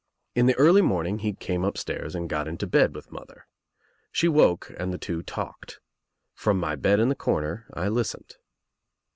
In the early morning he came upstairs and got into bed with mother. She woke and the two talked, From my bed in the corner I listened.